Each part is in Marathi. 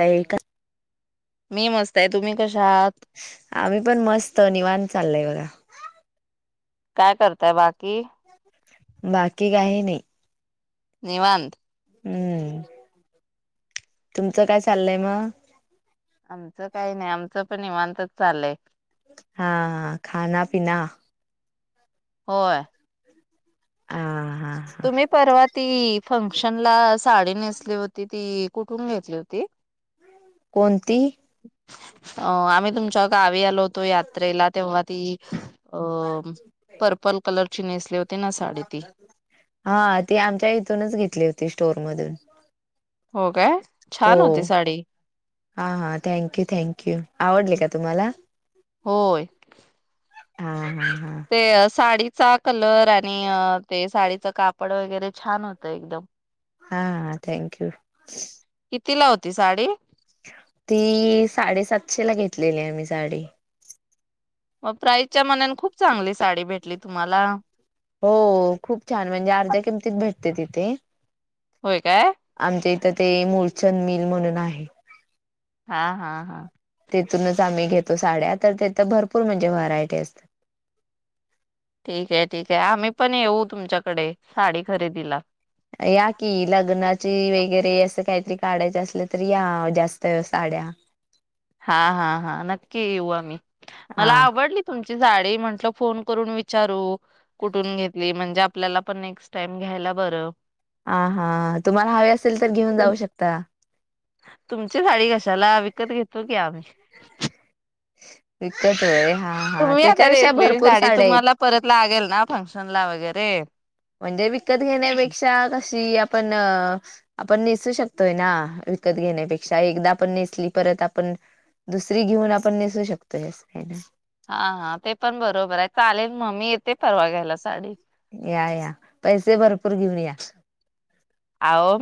लई का मी मस्त आहे तुमी आम्ही पण मस्त निवां चाललंय बघा काय करताय बाकी बाकी काही नही निवांत हूं तुमचं काय चाललंय म आमचं काही नाही आमचं - पण निवांतच चालय हं खाना पिना होय हा हा हा तुम्ही परवा ती फंक्शनला साडी नेसली होती ती कुठून घेतली होती. कोणती अ आमी तुमच्या गावी आलो होतो यात्रेला तेव्हा ती अ पर्पल कलर ची नेसले हो - - ते ना साडी ती हा ती आमच्या इथूनच घेतली होती स्टोर मधून हो काय हो छान होती साडी हा हा थँक यू थँक यू आवडली का तुम्हाला होय हाँ हा ते असाडी त चा कलर [unintelligible] अं ते साडीत च कापड वगैरे छान होतं एकदम हं हा थँक यू तिला होती साडी? ती साडेसातशे ला घेतलेली आहे मी साडी व प्राईजच्या मनान खूप चांगली साडी भेट हो खूप छान म्हणजे अर्ध्या किमतीत भेट ती तिथे होय काय तर ते मुळचंद मिल म्हणून आहे हा हा हा तिथूनच आम्ही घेतो साड्या, तर तिथ भरपूर म्हणजे व्हरायटी असतात. ठीके ठीके आम्ही पण येऊ तुमच्याकडे साडी खरेदीला या कि लग्नाची वगैरे असं काहीतरी काढायच असलं तर या जास्त साड्या हा हा हा नक्की येऊ आम्ही हा मला आवडली तुमची साडी तेही म्हंटल फोन करून विचारू कुठून घेतली म्हणजे आपल्याला पण नेक्स्ट टाइम घ्यायला बरं हा हा तुम्हाला हवे असेल तर घेऊन जाऊ शकता? तुमची साडी कशाला विकत घेतो की आम्ही विकत होय हा हा तुम्ही आता त्याच्यापेक्षा नेसलेली भरपूर साडी साड्या आहेत. तुम्हाला परत लागेल ना फंक्शन ला वगै ते म्हणजे विकत घेण्यापेक्षा क शी आपण आपण नेसू शकतोय ना विकत घेण्यापेक्षा एकदा आपण नेसली परत आपण दुसरी घेऊन आपण नेसू शकतोय असं काही ना हा हा ते पण बरोबर आहे चालेल म मी ते परवा घ्यायला साडी या या पैसे भरपूर घेऊन या आवो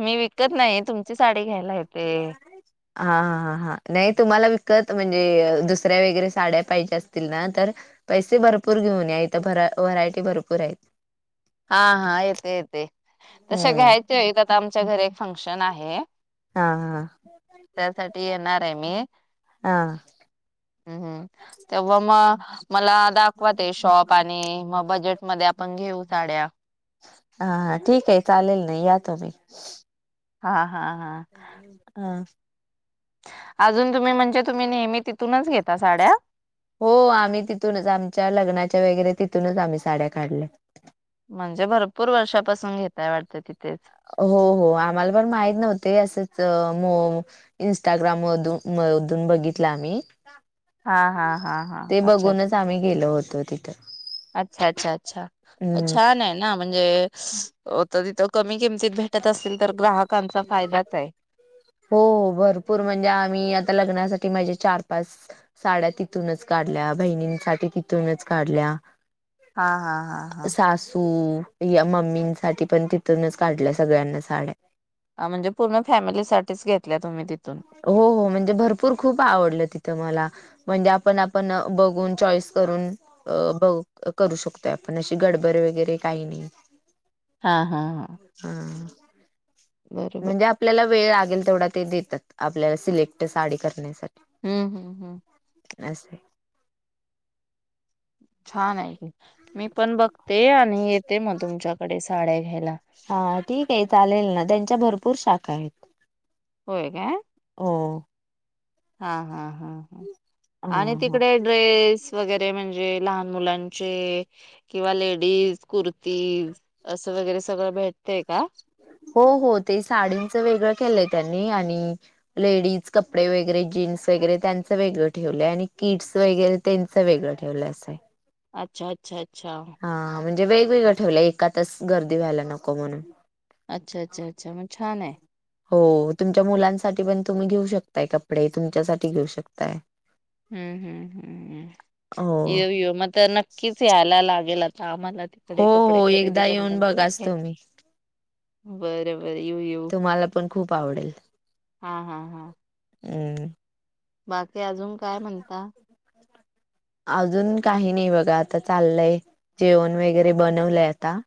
येते. हा हा हा नाही तुम्हाला विकत म्हणजे दुसऱ्या वगैरे साड्या पाहिजे असतील ना तर पैसे भरपूर घेऊन या, इथ व्हरायटी भरपूर आहेत हा हा येते येते तस हम्म. घ्यायच्या आहेत आता आमच्या घरी फंक्शन आहे हां, हां. त्यासाठी येणार आहे मी हां. हं हं तेव्हा मग मला दाखवा ते शॉप आणि मग बजेट मध्ये आपण घेऊ अ हा हा ठीक आहे चालेल ना या तुम्ही हा हा हा अ अजून तुम्ही म्हणजे तुम्ही नेहमी तिथूनच घेता साड्या हो आम्ही तिथूनच आमच्या लग्ना वगैरे तिथूनच आम्ही साड्या काढल्यात म्हणजे भरपूर वर्षापासून घेताय वाटतं तिथे? हो हो आम्हाला पण माहित नव्हते असंच इनस्टाग्राम मधून मधून बघितलं आम्ही हा हा हा हा ते अच्छा अच्छा. बघूनच आम्ही गेलो होतो तिथं अच्छा अच्छा अच्छा हम्म. छान आहे ना म्हणजेत तथ कमी किमती ते भेटत असल तर ग्राहकांचा फायदाच आहे. हो भरपूर म्हणजे आम्ही आता लग्नासाठी माझ्या चार पाच साड्या तिथूनच काढल्या बहिणींसाठी तिथूनच काढल्या. हा हा हा हा. सासू मम्मींसाठी पण तिथूनच काढल्या सगळ्यांना साड्या म्हणजे पूर्ण फॅमिलीसाठीच घेतल्या तुम्ही तिथ हो हो म्हणजे भरपूर खूप आवडलं तिथं मला म्हणजे आपण आपण बघून चॉईस करून ब करू शकतोय आपण अशी गडबड वगैरे काही नाही हा हा हा. हम् बरोबर म्हणजे आपल्याला वेळ लाग गेल तेवढा ते देतात आपल्याला सिलेक्ट साडी करण्यासाठी हम्म हम्म हम्म अंसाय छान आहे की मी पण बघते आणि येते म तुमच्याकडे साड्या घ्यायला. हा ठीक आहे चालेल ना त्यांच्या भरपूर शाख [unintelligible] हेत होय काय हा हा हा हा हा आणि हा. तिकडे ड्रेस वगैरे म्हणजे लहान मुलांचे किंवा लेडीज कुर्तीज असं वगैरे सगळं भेटतेय का हो हो ते साडींच वेगळं केलंय त्यांनी आणि लेडीज कपडे वगैरे जीन्स वगैरे त्यांचं वेगळं ठेवलंय आणि किड्स वगैरे त्यांच वेगळं ठेवलं असंय अच्छ अच्छा छा म्हणजे वेगवेगळं ठेवलं एकातच गर्दी व्हायला नको म्हणून अच्छा अच्छा अच्छा मग छान आहे हो तुमच्या मुलांसाठी पण तुम्ही घेऊ शकताय कपडे तुमच्यासाठी घेऊ शकताय हम्म हम्म हम् हम् हो येऊ येऊ म तर नक्कीच यायला लागेल मला तिकडे हो कपडे हो खरेदी एकदा येऊन बघाच करण्याे तुम्ही. बर ब बर येऊ येऊ तुम्हाला पण खूप आवडेल हा हा हा अं बाक ते अजून काय म्हणता अजून काही नाही बघा आता चाललंय जेवण वगैरे बनवलंय आता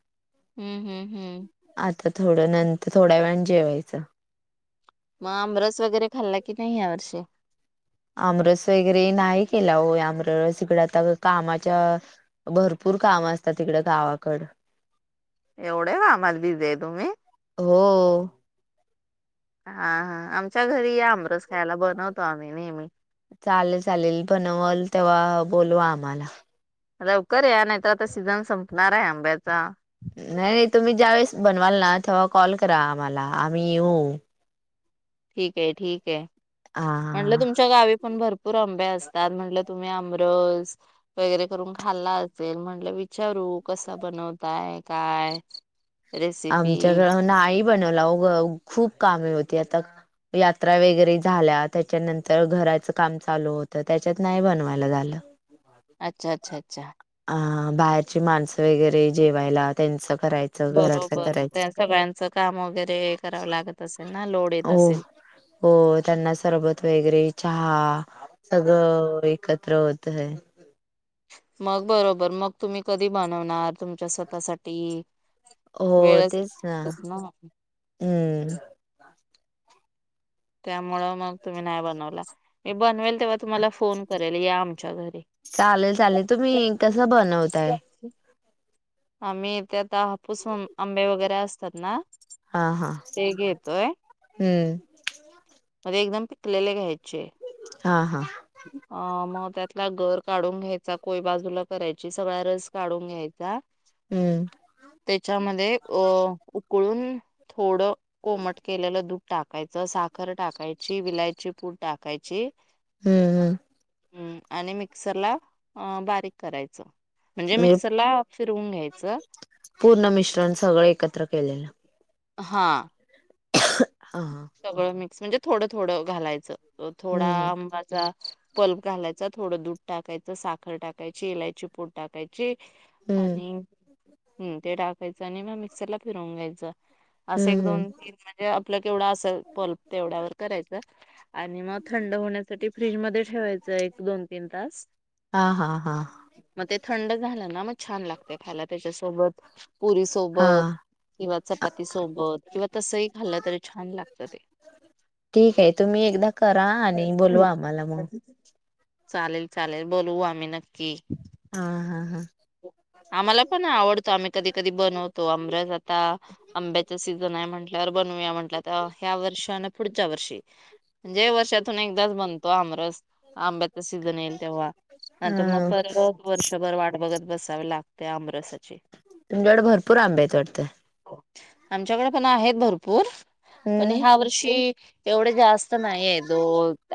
हं हम् हम्म आता थोडं नंतर थोड्या वेळन जेवायचं मग आमरस वगैरे खाल्ला की नाही या वर्षी आमरस वगैरे नाही केला हो आमरस इकडं आता कामाच्या भरपूर काम असतात गावाकडं एवढे कामात बिझी आहे तुम्ही हो. हा हा आमच्या घरी या आमरस खायला बनवतो आम्ही नेहमी चालेल चालेल बनवल तेव्हा बोलवा आम्हाला लवकर या नाहीतर आता सीझन संपणार आहे आंब्याचा नाही नाही तुम्ही ज्यावेेळेस बनवाल ना तेव्हा कॉल करा आम्हाला आम्ही येऊ ठीक काय ठीक काय हा. म्हणलं तुमच्या गावी पण भरपूर आंबे असतात म्हणलं तुम्ही आमरस वगैरे करून खाल्ला असेल म्हटलं विचारू कसा बनवताय काय रेसिपी आमच्याकडं नाई बनवत. [unintelligible] खूप कामे होती आता यात्रा वगैरे झाल्या त्याच्यानंतर घराच काम चालू होत त्याच्यात नाही बनवायला झालं. अच्छा अच्छा अच्छा अ बाहेरची माणसं वगैरे जेवायला त्यांच करायचं घरातलं बरोबर मग करायचं त्या सगळ्यांचं काम वगैरे करावं लागत असेल ना लोड येत हो असेल हो त्यांना सरबत वेगैरे चहा सगळं एकत्र होत ह मग बरोबर मग तुम्ही कधी बनवणार तुमच्या स्वतःसाठी हो वेळच तेच ना भेटत हम्म त्यामुंळ मग तुम्ही नाही बनवला मी बनवेल तेव्हा तुम्हाला फोन करेल या आमच्या घरी चालेल चालेल तुम्ही कस बनवताय? आम्ही ते आता हापूस आंबे वगैरे असतात ना हा हा ते घेतोय हम्म मध्ये एकदम पिकलेले घ्यायचे. हा हा अ मग त्यातला गर काढून घ्यायचा कोय बाजूला करायची सगळा रस काढून घ्यायचा. हं तेच त्यामध्ये अ उकळून थोडं कोमट केलेलं दूध टाकायचं साखर टाकायची विलायची पूड टाकायची. हम् हम हं आणि मिक्सरला अ बारीक करायचं म्हणजे मी मिक्सरला फिरवून घ्यायचं पूर्ण मिश्रण सगळं एकत्र केलयं हां [inaudible] हा हा म्हणजे थोडं थोडं घालायचं तो थोडा हम्म आंबाचा पल्प घालायचा थोडं दूध टाकायचं, साखर टाकायची, इलायची पुड टाकायची. हम्म आणि हम् ते टाक [unintelligible] आणि मिक्सर फिरवून घ्यायचं असं एक हम्म हम्म दोन तीन म्हणजे आपलं केवढ अस पल्प तेवड्यावर करायच आणि मग थंड होण्यासाठी फ्रिज मध्ये ठेवायच एक दोन तीन तास हा हा हा मग ते थंड झालं ना मग छान लागतय खायला त्याच्यासोबत पुरी हा सोबत किंवा चपाती सोबत किंवा तसही खाल्लं तरी छान लागत [unintelligible] ठीक आहे तुम्ही एकदा करा आणि बोलवा आम्हाला मग ह चालेल चालेल बोलवू आम्ही नक्की हा.. हा.. हा.. आम्हाला पण आवडतो आम्ही कधी कधी बनवतो आमरस आता आंब्याचा सीझन आहे म्हंटल - - तर बनूया म्हटलं तर ह्या वर्षी आण पुढच्या वर्षी म्हणजे वर्षातून एकदाच बनतो आमरस आंब्याचा सीझन येईल तेव्हा नंतर मग अ परत वर्षभर वाट बघत बसावे लागते आमरसाचे तुमच्याकड भरपूर आंबे हाइत वाटत. आमच्याकडे पण आहेत भरपूर पण हम्म ह्या वर्षी एवढे जास्त नाहीयेत ओ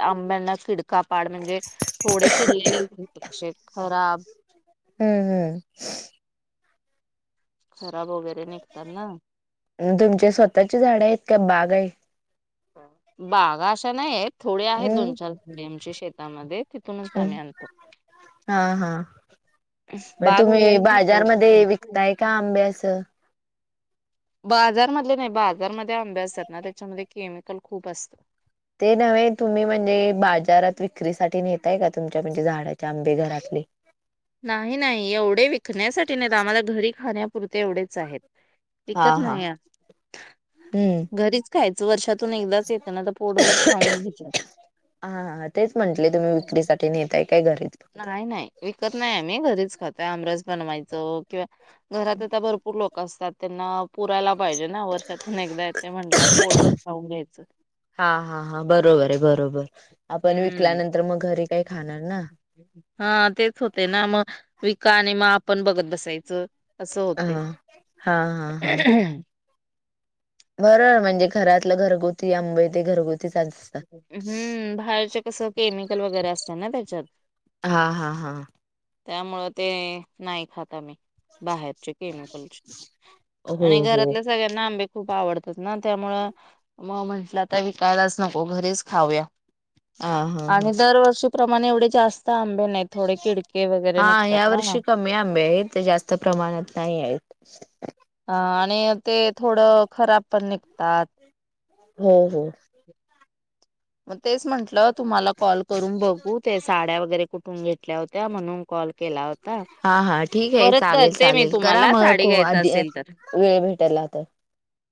आंब्यांना किडकापाड म्हणजे थोडे किडलेले असे खराब हम्म खराब वगैरे निघतात ना तुमच्या स्वतःची झाड आहेत का बाग आहे बागा अशा नायेत थोडे आहेत दोन चार थोडे आमचे अशे शेतामध्ये तिथूनच ह आम्ही आणतो. हा हा म बाग तुम्ही वगैरे नाही बाजारमध्ये एवढं. विकताय का आंबे असं बाजारमधले नाही बाजारमध्ये आंबे असतात ना त्याच्यामध्ये केमिकल खूप असत ते नव्हे तुम्ही म्हणजे बाजारात विक्रीसाठी नेताय का तुमच्या म्हणजे झाडाचे आंबे घरातले नाही नाही एवढे विकण्यासाठी नाहीत आम्हाला घरी खाण्यापुरते एवढेच - - चहेत हा विकत हा नाहीत हम्म घरीच खायच वर्षातून एकदाच येतं नाता पोटभर खाऊन घेत - - हा हा तेच म्हंटले तुम्ही विक्रीसाठी नेताय काय घरीच फक्त. नाही नाही विकत नाही आम्ही घरीच खातोय आमरस बनवायचो किंवा घरात आता भरपूर लोक असतात त्यांना पुरायला पाहिजे ना वर्षातून एकदा ते म्हटलं पोटभर खाऊन घ्यायचं हा हा हा बरोबर आहे बरोबर. आपण हम् विकल्यानंतर मग घरी काही खाणार ना हा तेच होतय ना मग विका आणि मग आपण बघत बसायचं असं हा होते हा [unintelligible] बरोबर म्हणजे घरातलं घरगुती आंबे ते घरगु हम्म बाहेरच कस केमिकल वगैरे असतात ना त्याच्यात हा.. हा.. हा.. त्यामुळं ते नाही खात आम्ही बाहेर चे केमिकलचे हो आणि हो घरातल्या सगळ्यांना आंबे खूप आवडतात ना त्यामुळे मग म्हंटलं आता विकायलाच नको घरीच खाऊया हा हा हा. अगं दरवर्षी प्रमाणे एवढे जास्त आंबे नाही थोडे किडके वगैरे हा निघतात या ना. वर्षी कमी आंबे आहेत जास्त प्रमाणात नाही आहेत हा आणि ते थोडं खराब पण निघतात हो हो मग तेच म्हंटलं तुम्हाला कॉल करून बघू ते साड्या वगैरे कुठ [unintelligible] तून घेतल्या होत्या म्हणून कॉल केला होता. हा हा ठीक आहे परत चालेल करते मी चालेल करा तुम्हाला साडी मग? घ्यायच आधी असेल तर. वेळ भेटायला तर.